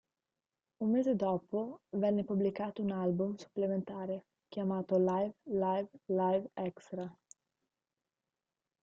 Un mese dopo venne pubblicato un album supplementare chiamato Live Live Live Extra.